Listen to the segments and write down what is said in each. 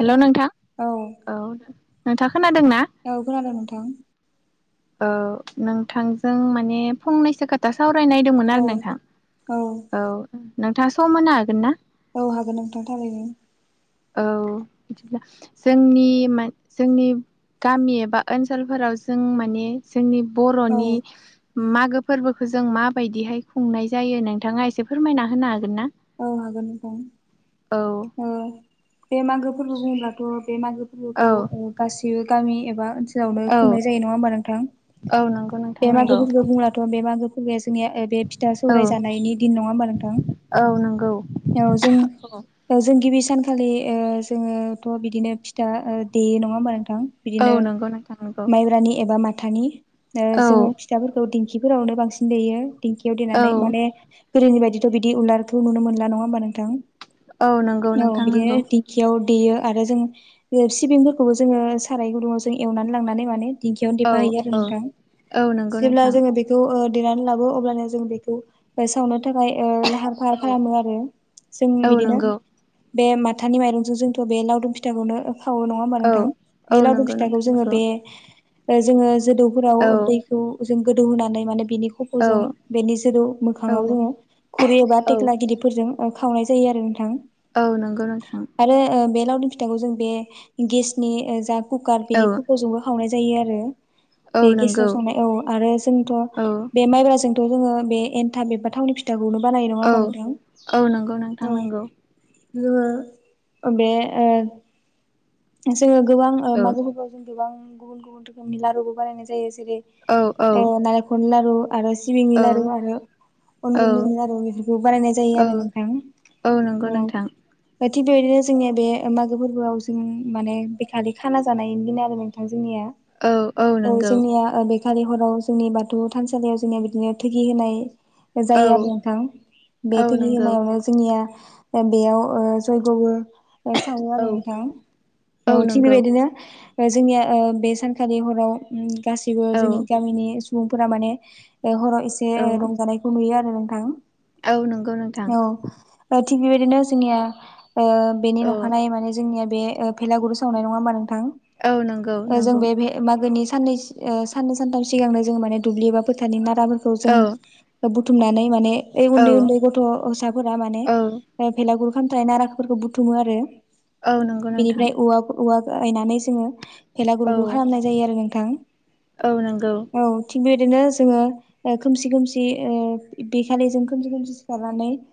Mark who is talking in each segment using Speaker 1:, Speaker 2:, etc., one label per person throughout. Speaker 1: Hello नोंथां औ नोंथाङा खोनादोंना?
Speaker 2: औ खोनादों नोंथां।
Speaker 1: औ नोंथांजों माने फंनैसो खोथासो सावरायनायदोंंमोन
Speaker 2: औ
Speaker 1: आरो नोंथां औ नोंथाङा सम होनो हागोन ना?
Speaker 2: औ हागोन नोंथां थारैनो।
Speaker 1: औ बिदिब्ला जोंनि मान जोंनि गामि एबा ओनसोलफोराव जों माने जोंनि
Speaker 2: औ
Speaker 1: बर'नि मागो फोरबोखौ जों माबायदिहाय खुंनाय जायो नोंथाङा एसे फोरमायना होनो हागोन ना?
Speaker 2: औ हागोन नोंथां।
Speaker 1: औ
Speaker 2: ओ बे मागो फोरबो बुङोबाथ' बे मागो फोरबोखौ
Speaker 1: औ
Speaker 2: गासिबो गामि ए ओनसोलावनो
Speaker 1: औ
Speaker 2: खुंनाय जायो नङा होमबा नोंथां?
Speaker 1: औ नंगौ नोंथां
Speaker 2: बे
Speaker 1: नंगौ
Speaker 2: मागोफोरखौ बुंब्लाथ' बे मागो फोर जोंनिया बे फिथा
Speaker 1: औ
Speaker 2: सौराय जानायनि दिन नङा होमबा नोंथां?
Speaker 1: औ नंगौ
Speaker 2: औ जों जों गिबि सानखालि जोङोथ' बिदिनो फिथा देयो नङा होमबा नोंथां?
Speaker 1: औ
Speaker 2: बिदिनो
Speaker 1: नंगौ नोंथां नंगौ
Speaker 2: माइब्रानि एबा म माथानि ओ
Speaker 1: औ
Speaker 2: जोङो फिथाफोरखौ दिंखिफोरावनो बांसिन देयो। दिंखियाव
Speaker 1: औ
Speaker 2: देनानै माने गोदोनि बायदिथ' बिदि उलारखौ नुनो मोनला नङा होमबा नोंथां?
Speaker 1: औ नंगौ
Speaker 2: औ
Speaker 1: नोंथां
Speaker 2: बिदिनो
Speaker 1: नंगौ
Speaker 2: दिंखियाव देयो आरो जों सिबिंफोरखौबो जोङो साराय गुदुंङाव जों एवनानै लांनानै माने दिंखियावनो
Speaker 1: औ
Speaker 2: देफाहैयो आरो
Speaker 1: औ
Speaker 2: नोंथां
Speaker 1: औ नंगौ
Speaker 2: जेब्ला
Speaker 1: नोंथां
Speaker 2: जोङो बेखौ ओ देनानै लाबो अब्लानो जों बेखौ सावनो थाखाय ओ लाहार फाहार खालामो आरो जों
Speaker 1: औ
Speaker 2: बिदिनो
Speaker 1: नंगौ
Speaker 2: बे माथानि माइरंजों जोंथ बे लावदुम फिथाखौनो खावो नङा हबा नोंथां
Speaker 1: औ औ
Speaker 2: बे लदु
Speaker 1: नंगौ
Speaker 2: फिथाखौ
Speaker 1: नोंथां
Speaker 2: जोङो
Speaker 1: नंगौ
Speaker 2: बे ओ जोङो जोदौफोराव
Speaker 1: औ
Speaker 2: दैखौ जों गोदौ होनानै माने बिनि खफ'जों
Speaker 1: औ
Speaker 2: बेनि जोदौ मोखाङाव
Speaker 1: औ
Speaker 2: जोङो खुरै एबा
Speaker 1: औ
Speaker 2: थेख्ला गिदिरफोरजों खावनाय जायो आरो नोंथां
Speaker 1: औ नंगौ नोंथां।
Speaker 2: लावदिुम फिथाइखौ जों बे गेसनि जा कुकार बेनि
Speaker 1: औ
Speaker 2: कफजोंबो खावनाय जायो आरो। बे
Speaker 1: औ
Speaker 2: गेसाव
Speaker 1: नंगौ
Speaker 2: संनाय औ आरो जोंथ
Speaker 1: औ
Speaker 2: बे माइब्राजों थ जोङो बे एन्थाब बेबा थावनि फिथाखौनो बानाय नङा
Speaker 1: औ
Speaker 2: होमबा नोंथां
Speaker 1: औ नंगौ नोंथां
Speaker 2: औ।
Speaker 1: नंगौ
Speaker 2: जोङो बेे ओ जोङो गोबां ओ
Speaker 1: औ
Speaker 2: मागो फोराव जों गोबां गुबुन गुबुन रोखोमनि लारुबो बानायनाय जायो जेरै
Speaker 1: औ
Speaker 2: ओ
Speaker 1: औ
Speaker 2: नरिखलनि लारु आरो सिबिंनि
Speaker 1: औ
Speaker 2: लारु आरो अन
Speaker 1: औ
Speaker 2: गुन्दैनि लारु बेफोरखौ बानायनाय जायो आरो
Speaker 1: औ
Speaker 2: नोंथां।
Speaker 1: औ नंगौ नोंथां।
Speaker 2: औ थिग बेबायदिनो जोंनिया बे मागो फोरबोआव जों माने बेखालि खाना जानायनि दिन आरो नोंथां। जोंनिया
Speaker 1: औ
Speaker 2: औ
Speaker 1: नंगौ
Speaker 2: जोंनिया ओ बे खालि हराव जोंनि बाथौ थानसालियाव जोंनिया बिदिनो थोगि होनाय
Speaker 1: औ
Speaker 2: जायो आरो नोंथां बे
Speaker 1: औ
Speaker 2: थोगि
Speaker 1: नंगौ
Speaker 2: होनायावनो जोंनिया बेयाव ओ जयग'बो ओ सावो
Speaker 1: औ
Speaker 2: आरो नोंथां। औ थिग बेबायदिनो ओ जोंनिया बे सानखालि हराव गाैसिबो
Speaker 1: औ
Speaker 2: जोंनि गामिनि सुबुंफोरा माने हराव एसे
Speaker 1: औ
Speaker 2: रंजानायखौ नुयो आरो नोंथां
Speaker 1: औ नंगौ नोंथां।
Speaker 2: औ ओ थिग बेबायदिनो जोंनिया ओ बेनि
Speaker 1: औ
Speaker 2: नखानाय माने जोंनिया बे ओ भेलागुर सावनाय नङा होमबा
Speaker 1: औ नंगौ
Speaker 2: नोंथां जों
Speaker 1: नंगौ
Speaker 2: बे बे मागोनि साननै ओ साननै सानथाम सिगांनो जों माने दुब्लि एबा फोथारनि नाराफोरखौ
Speaker 1: औ
Speaker 2: जों ओ बु थुमनानै माने
Speaker 1: औ
Speaker 2: उन्दै उन्दै गथ'साफोरा माने
Speaker 1: औ
Speaker 2: ओ भेलागुर खानथाइ नाराफोरखौ बुथुमो आरो।
Speaker 1: औ नोंगौ
Speaker 2: बेनिफ्राय औवा औवा गायनानै जोङो
Speaker 1: औ
Speaker 2: भेलागुरुखौ खालामनाय जायो आरो नोंथां।
Speaker 1: औ नंगौ।
Speaker 2: बिदिनो जोङो ओ खोमसि खोमसि ओ बेखालि जों खोमसि खोमसि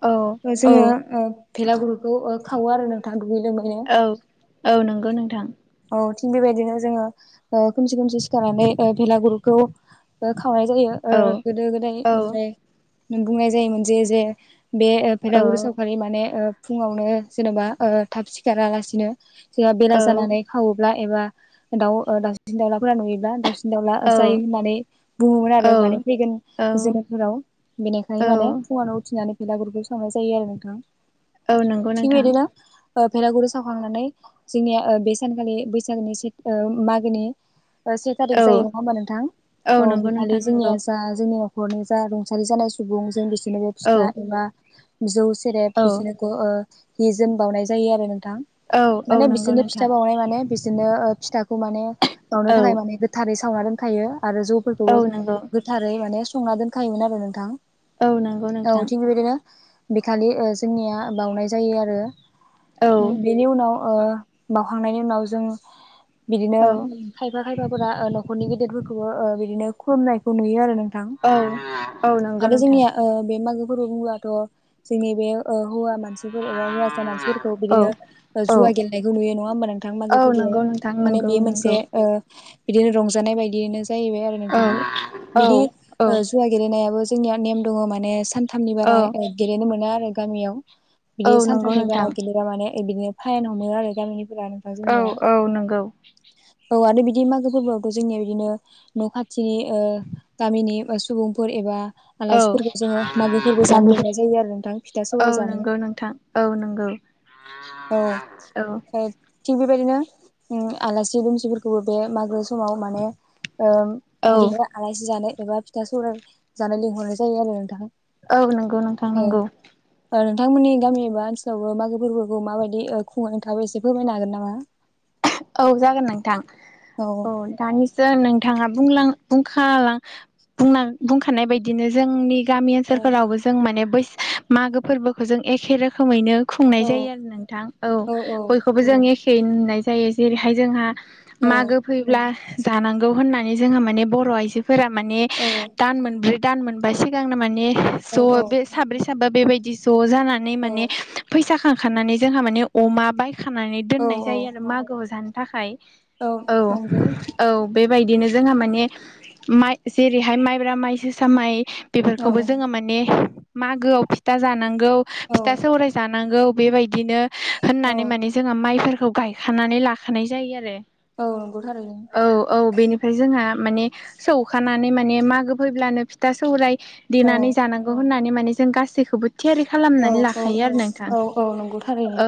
Speaker 1: औ औ
Speaker 2: जोङो ओ भेलागुरखौ खावो आरो नोंथाङा दुगै लोबैनो।
Speaker 1: औ औ नंगौ नोंथां।
Speaker 2: निथिं बेबायदिनो जोङो ओ खोमसि खोमसि सिखारनानै ओ भेलागुरखौ ओ खा सावनाय जायो ओ
Speaker 1: औ
Speaker 2: गोदो गोदाय
Speaker 1: औ
Speaker 2: बेनिफ्राय नों बुंनाय जायोमोन जे जे बे
Speaker 1: औ
Speaker 2: भेलागुर सावखालि माने ओ फुङावनो जेनेबा ओ थाब सिखारालासिनो जेला
Speaker 1: औ
Speaker 2: बेला जानानै ब्ला एबा दाउ ओ दाउसिन दाउलाफोरा नुयो ब्ला दाउसिन दाउला जायो
Speaker 1: औ
Speaker 2: होननानै बुङोमोन आरो माने
Speaker 1: औ
Speaker 2: फैगोन जोनोमफोराव
Speaker 1: औ
Speaker 2: बेनिखायनो माने फुङानाव उथिनानै बेेलागुरखौ सावनाय जायो आरो नोंथां।
Speaker 1: औ नंगौ
Speaker 2: थिग
Speaker 1: नोंथां
Speaker 2: बेदिनो ओ भेलागुर सावखांनानै जोंनिया ओ बे सानखालि बैसागोनि से ओ मागोनि ओ से थारिक जायो
Speaker 1: औ
Speaker 2: नङा होमबा नोंथां औ
Speaker 1: नंगौ
Speaker 2: बेखालि
Speaker 1: नोंथां नंगौ
Speaker 2: जोंनिया जा जोंनियाव नखरनि जा रुंसारि जानाय सुबुं जों बिस नोबो फिथा
Speaker 1: औ
Speaker 2: एबा जौ सेरेब
Speaker 1: औ
Speaker 2: बिदिनो ओ हि जोम बाउनाय जायो आरो नों - - थां
Speaker 1: औ औ
Speaker 2: माने
Speaker 1: नंगौ
Speaker 2: बिसोरनो फिथा
Speaker 1: नोंथां
Speaker 2: बावनाय माने बिसिनो फिथाखौ माने
Speaker 1: औ
Speaker 2: बावनो थाखाय माने गोथारै सावना दोनखायो। आरो
Speaker 1: औ
Speaker 2: जौफोरखौबो
Speaker 1: नंगौ
Speaker 2: गोथारै माने संना दोनखायोमोन आरो नोंथां।
Speaker 1: नंगौ
Speaker 2: औ
Speaker 1: नोंथां
Speaker 2: थिग बेबादिनो बेखालि ओ जोंनिया बाउनाय जायो आरो
Speaker 1: औ
Speaker 2: बेनि उनाव ओ बाउखांनायनि उनाव ओ जों बिदिनो
Speaker 1: औ
Speaker 2: खायफा खायफा फोरा नखरनि गेदेरफोरखौबो ओ बिदिनो खुलुमनायखौ नुयो आरो नों थां
Speaker 1: औ औ नंगौ
Speaker 2: आरो
Speaker 1: नोंथां
Speaker 2: जोंनिया ओ बे मागो फोरबो बुंब्लाथ' जोंनि बे ओ हौवा मान मानसिफोर एबा हौवासा मानसिफोरखौ
Speaker 1: औ
Speaker 2: बिदिनो
Speaker 1: औ
Speaker 2: जुवा गेलेनायखौ नुयो नङा होमबा नोंथां मागो
Speaker 1: औ
Speaker 2: फोरबो आव
Speaker 1: नंगौ नोंथां
Speaker 2: माने
Speaker 1: नंगौ
Speaker 2: बे
Speaker 1: नंगौ
Speaker 2: मोनसे ओ बिदिनो रंजानाय बायदियैनो जाहैबाय आरो
Speaker 1: औ
Speaker 2: नोंथां।
Speaker 1: औ
Speaker 2: बिदि
Speaker 1: औ
Speaker 2: ओ जुवा गेलेनायाबो जोंनिया नेम दङ माने सानथामनि
Speaker 1: औ
Speaker 2: बारा गेलेनो मोना आरो गामियाव बिदि
Speaker 1: औ नंगौ
Speaker 2: सानथामनि बारा
Speaker 1: नोंथां
Speaker 2: गेलेबा माने बिदिनो फायेन हमो आरो गामिनि फोरा नोंथां
Speaker 1: औ
Speaker 2: जोंनिया
Speaker 1: औ नंगौ
Speaker 2: औ आरो बि दि मागो फोरबोआवथ' जोंनिया बिदिनो न' खाथिनि गामिनि सुबुंफोर एबा
Speaker 1: औ
Speaker 2: आलासिफोरखौ जोङो मागो फोरबो जानो लिंनाय जायो आरो नोंथां फिथा
Speaker 1: [unintelligible] औ
Speaker 2: सौराय जानो
Speaker 1: नंगौ नोंथां औ नंगौ
Speaker 2: औ
Speaker 1: औ
Speaker 2: ओ थिग बेबायदिनो ओ आलासि दुमसिफोरखौबो बे मागो समाव माने ओ
Speaker 1: औ
Speaker 2: बिदिनो आलासि जानो एबा फिथा सौराइ जानो लिंहरनाय जायो आरो नोंथां
Speaker 1: औ नंगौ नोंथां
Speaker 2: औ
Speaker 1: नंगौ
Speaker 2: ओ नोंथांमोननि गामि एबा ओनोलावबो मागो फोरबोखौ माबायदि ओ खुङो थाङाबो एसे फोरमायनो हागोन नामा?
Speaker 1: औ जागोन नोंथां औ दानिसो नोंथाङा बुंलां बुंखालां बुंना बुंखानाय बायदिनो जोंनि गामि
Speaker 2: औ
Speaker 1: ओनसोलफोरावबो जों माने बै मागो फोरबोखौ जों एखे रोखोमैनो खुंनाय
Speaker 2: औ
Speaker 1: जायो आरो नोंथां औ बयखौबो जों एखे नुनाय जायो जेरैहाय जोंहा
Speaker 2: औ
Speaker 1: मागो फैब्ला जानांगौ होननानै जोंहा माने बर' आइजो फोरा माने दान मोनब्रै दान मोनबा सिगांनो माने
Speaker 2: औ
Speaker 1: ज' बे साब्रै साब्रा बेबायदि ज' जानानै
Speaker 2: औ
Speaker 1: माने फैसा खांखानानै जोंहा माने अमा बाय
Speaker 2: औ
Speaker 1: दनाय जायो आरो मागोआव जानो थाखाय औ औ बेबायदिनो जोंहा माने माइ जेरैहाय माइब्रा माइजोसा माइ
Speaker 2: औ
Speaker 1: बेफोरखौबो जोङो माने मागोआव फिथा जानांगौ
Speaker 2: औ
Speaker 1: फिथा सौराय जानांगौ बेबायदिनो
Speaker 2: औ
Speaker 1: होननानै माने जोङो माइफोरखौ गायखानानै लाखानाय जायो आरो
Speaker 2: औ नंगौ थारैनो
Speaker 1: औ औ बेनिफ्राय जोंहा माने सौखानानै माने मागो फैब्लानो फिथा सौराय
Speaker 2: औ
Speaker 1: देनानै जानांगौ होननानै माने जों गासैखौबो थियारि
Speaker 2: औ
Speaker 1: खालामनानै
Speaker 2: औ
Speaker 1: लाखायो आरो नोंथां
Speaker 2: औ औ नंगौ थारैनो
Speaker 1: औ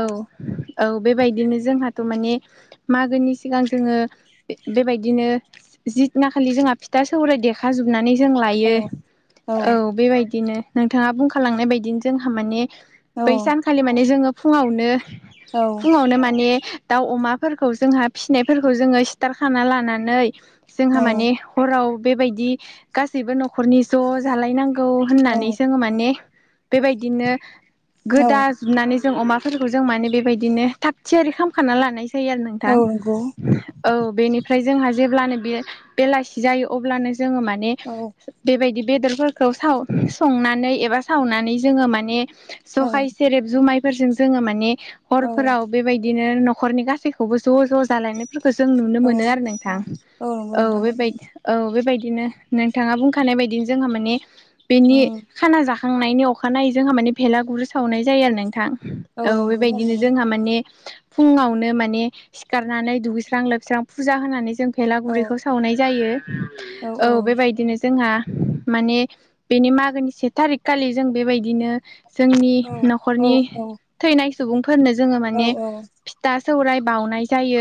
Speaker 1: औ बेबायदिनो जोंहा माने मागोनि सिगां जोङो बेबायदिनो जि दिना खालि जोंहा फिथा दा सौराय देखा जोबनानै जों
Speaker 2: औ
Speaker 1: लायो औ बेबायदिनो नोंथाङा बुंखालांनाय बायदि जोंहा माने
Speaker 2: औ
Speaker 1: बै सानखालि माने जोङो फुङावनो
Speaker 2: औ
Speaker 1: फुङावनो माने दाउ अमाफोरखौ जोंहा फिसिनायफोरखौ जोङो सिथारखाना लानानै
Speaker 2: औ
Speaker 1: जोंहा माने हराव बेबायदि गासैबो न'खर न'खरनि ज' जालायनांगौ होननानै जोङो माने बेबायदिनो
Speaker 2: औ
Speaker 1: गोदा जोबनानै जों अमाफोरखौ जों माने बेबायदिनो थाब थियारि खालामखाना लानायसै होयो आरो
Speaker 2: औ
Speaker 1: नोंथां
Speaker 2: नंगौ
Speaker 1: औ बेनिफ्राय जोंहा जेब्लानो बे बेलासि जायो अब्लानो जोङो माने
Speaker 2: औ
Speaker 1: बेबायदि बेदरफोरखौ स संनानै एबा सावनानै जोङो माने
Speaker 2: औ
Speaker 1: जखाय सेरेब जुमाय फोरजों जोङो माने
Speaker 2: औ
Speaker 1: हरफोराव बेबायदिनो न'खरनि गासैखौबो ज' ज' जालायनो फोरखो जों नुनो मोनो आरो नोंथां
Speaker 2: नंगौ
Speaker 1: औ
Speaker 2: नोंथां
Speaker 1: बेबाय औ बेबाय ‌ बिदिनो नोंथाङा बुंखानाय बदि जोंहा माने बेनि
Speaker 2: उम
Speaker 1: खाना जा खांनायनि अखानायै जोंहा माने भेला गुर सावनाय जायो आरो नोंथां औ
Speaker 2: नंगौ
Speaker 1: बेबायदिनो
Speaker 2: थारैनो
Speaker 1: जोंहा माने फुङावनो माने सिखारनानै दुगैस्रां लोबस्रां फुजा होनानै जों
Speaker 2: औ
Speaker 1: थेलागुरिखौ सावनाय जायो औ बेबायदिनो जोंहा माने बेनि मागोनि से थारिख खालि जों बेबायदिनो जोंनि
Speaker 2: औ औ
Speaker 1: न'खरनि थैनाय सुबुंफोरनो जोङो माने
Speaker 2: औ औ
Speaker 1: सौराय बाउनाय जायो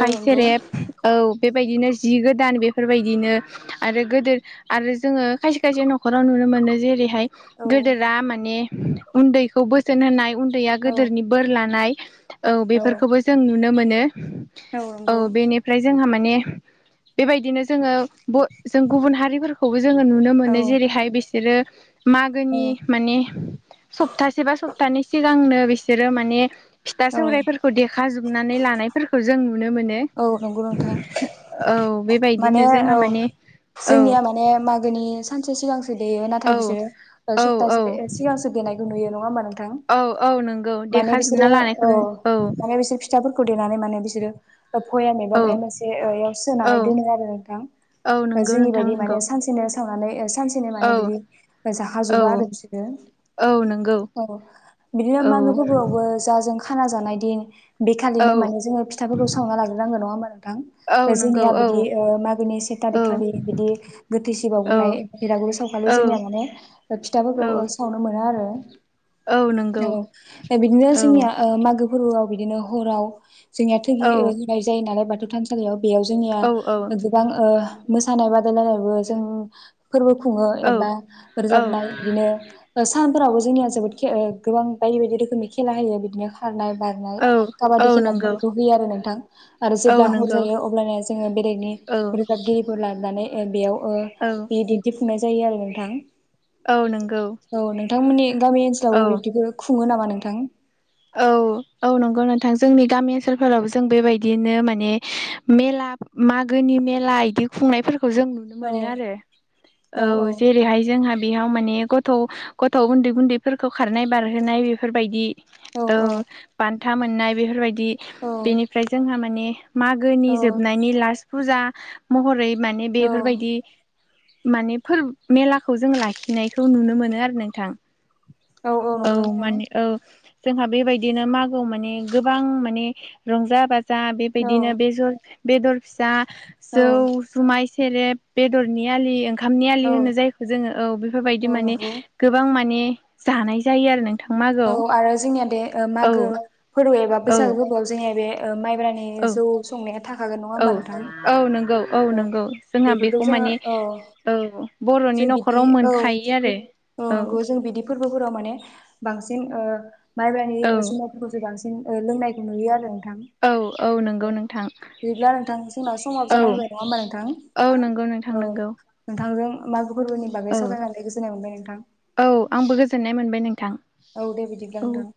Speaker 2: औ नंगौ
Speaker 1: सेरेब औ बेबायदिनो जि गोदान बेफोरबायदिनो आरो गोदो आरो जोङो खायसे खायसे न'खराव नुनो मोनो जेरैहाय
Speaker 2: औ
Speaker 1: गोदोरा माने उन्दैखौ बोसोन होनाय उन्दैया
Speaker 2: औ
Speaker 1: गोदोरनि बोर लानाय औ बेफोरखौबो जों नुनो मोनो
Speaker 2: नंगौ
Speaker 1: औ बेनिफ्राय जोंहा माने बेबायदिनो जोङो जों गुबुन हारिफोरखौ जोङो नुनो
Speaker 2: औ
Speaker 1: मोनो। जेरैहाय बिसोरो मागोनि
Speaker 2: औ
Speaker 1: माने सप्तासे बा सप्तानि सिगांनो बिसोरो माने दा सौरायाइफोरखौ देख जोबनानै लानायफोरखौ जों नु नो मोनो।
Speaker 2: औ नंगौ नोंथां
Speaker 1: औ
Speaker 2: माने
Speaker 1: बेबायदिनो जोंहा
Speaker 2: औ
Speaker 1: माने औ
Speaker 2: जोंनिया माने मागोनि सानसे सिगांसो देयो नाथाय
Speaker 1: औ
Speaker 2: बिसोरो
Speaker 1: औ औ
Speaker 2: सप्तासे सिगांसो दे [unintelligible]
Speaker 1: औ औ नंगौ
Speaker 2: माने
Speaker 1: देखाजोबना
Speaker 2: बिसोरो
Speaker 1: लानायखौ
Speaker 2: औ
Speaker 1: जों
Speaker 2: माने बिसोर फिथाफोरखौ देनानै माने बिसोरो पयाम एबा
Speaker 1: औ
Speaker 2: माबा मोनसेयाव
Speaker 1: औ
Speaker 2: सोनानै दोनो आरो नोंथां।
Speaker 1: औ नंगौ
Speaker 2: जोंनि
Speaker 1: नोंथां
Speaker 2: बायदि
Speaker 1: नंगौ
Speaker 2: माने सानसेनो सावनानै सानसेनि माने
Speaker 1: औ
Speaker 2: बिदि
Speaker 1: औ
Speaker 2: जाखाजोबा आरो बिसोरो।
Speaker 1: औ नंगौ
Speaker 2: औ बिदिनो
Speaker 1: औ
Speaker 2: मागो फोरबोआवबो जाजों खाना जानाय दिन
Speaker 1: औ
Speaker 2: बेखालिनो माने जों फिथाफोरखौ सावना लाांगोन ना
Speaker 1: औ
Speaker 2: नोंथां
Speaker 1: नंगौ
Speaker 2: जोंनिया
Speaker 1: औ
Speaker 2: बिदि मागोनि से थारि
Speaker 1: औ
Speaker 2: खालि बिदि गो
Speaker 1: औ
Speaker 2: फिसिबावनाय बेिरागुरि सावखालु
Speaker 1: औ
Speaker 2: जोंनिया माने
Speaker 1: औ
Speaker 2: फिथाफोरखौ सावनो मोनो आरो।
Speaker 1: औ नंगौ
Speaker 2: औ बिदिनो
Speaker 1: औ
Speaker 2: जोंनिया मागो गुरुआव बिदिनो हराव जोंनिया थैगि
Speaker 1: औ
Speaker 2: रुनाय जायो नालाय बाथौ थानसालियाव। बेयाव जोंनिया
Speaker 1: औ
Speaker 2: गोबां मोसानाय बादायलायनायबो जों फोरबो खुङो
Speaker 1: औ
Speaker 2: एबा रोजाबनाय
Speaker 1: औ
Speaker 2: बिदिनो सान फोरावबो जोंनिया जोबोद गोबां बायदि बायदि रोखोमनि खेला होयो बिदिनो खारनाय बारनाय
Speaker 1: औ औ
Speaker 2: काबादि खेला
Speaker 1: नंगौ
Speaker 2: बेखौ होयो आरो नों थां आरो
Speaker 1: औ
Speaker 2: जेब्ला हर
Speaker 1: नंगौ
Speaker 2: जायो अब्लानो जोङो बेलेगनि
Speaker 1: औ औ
Speaker 2: रोजाबगिरिफोर लाबनानै बेयाव बे दिन्थिफुंनाय जायो आरो नोंथां।
Speaker 1: औ नंगौ
Speaker 2: औ नोंथांमोननि गामि
Speaker 1: औ
Speaker 2: ओनसोलावबो बिब्दिबो खुङो नामा नोंथां?
Speaker 1: औ औ नंगौ नोंथां जोंनि गामि ओनसोलफोराव जों बेबायदिनो माने मेला मागोनि मेला बिदि खुंनायफोर जों नुनो
Speaker 2: औ
Speaker 1: मोन आरो औ जेरैहाय जोंहा बेयाव माने गथ' गथ' उन्दै गुन्दैफोरखौ खारनाय बारहोनाय बेफोरबायदि औ बान्था मोननाय बेफोरबायदि
Speaker 2: औ
Speaker 1: बेनिफ्राय जोंहा माने मागोनि
Speaker 2: औ
Speaker 1: जोबनायनि लास फुजा महरै माने
Speaker 2: औ
Speaker 1: बेफोरबायदि माने फोरबो मेलाखौ जों लाखिनायखौ नुनो मोनो आरो नोंथां।
Speaker 2: नंगौ
Speaker 1: औ
Speaker 2: नोंथां
Speaker 1: माने औ जोंहा बेबायदिनो मागो माने गोबां माने रंजा बा जा
Speaker 2: औ
Speaker 1: बेबायदिनो बे बेदर फिसा
Speaker 2: औ
Speaker 1: जौ जुमाय सेरेब बेदरनि आलि ओंखामनि आलि
Speaker 2: औ
Speaker 1: होनो जायखौ जोङो औ बेफोरबायदि माने
Speaker 2: नंगौ
Speaker 1: गोबां माने जानाय जायो आरो नों
Speaker 2: औ आरो जोंनिया दा मागो फोरबो एबा
Speaker 1: औ
Speaker 2: बैसागु फोरबोआव जोंनिया बे माइब्रानि
Speaker 1: औ
Speaker 2: जौ संनाया थाखागोन नङा
Speaker 1: औ
Speaker 2: होमबा नोंथां?
Speaker 1: औ नंगौ औ
Speaker 2: अ
Speaker 1: नंगौ जोंहा
Speaker 2: बेफोरखौ
Speaker 1: बेखौ
Speaker 2: जोङो
Speaker 1: माने
Speaker 2: औ
Speaker 1: औ बर'नि
Speaker 2: जों बिदि
Speaker 1: न'खराव
Speaker 2: औ
Speaker 1: मोनखायो आरो।
Speaker 2: औ नंगौ जों बिदि फोरबोफोराव माने बांसिन माइब्रानि जुनारफोरखौसो बांसिन लोंनायखौ नुयो आरो। नोंथां
Speaker 1: औ औ नंगौ नोंथां
Speaker 2: बिदिब्ला नोंथां जोंनाव समाबो
Speaker 1: औ
Speaker 2: जाना फैबाय नङा होमबा नोंथां?
Speaker 1: नंगौ औ नोंथां नोंगौ।
Speaker 2: नोंथांजों मागो फोरबोनि बागै सावरायनानै गोजोननाय मोनबाय नोंथां।
Speaker 1: औ आंबो [unintelligible] नोंथां
Speaker 2: औ दे बिदिब्ला
Speaker 1: औ
Speaker 2: नोंथां।